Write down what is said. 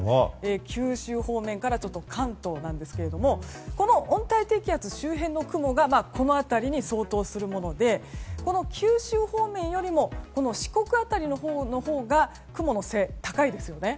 九州方面から関東なんですがこの温帯低気圧周辺の雲がこの辺りに相当するものでこの九州方面よりも四国辺りのほうが雲の背が高いですよね。